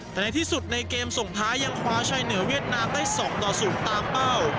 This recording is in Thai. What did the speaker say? แต่ในที่สุดในเกมส่งท้ายยังคว้าชัยเหนือเวียดนามได้๒ต่อ๐ตามเป้า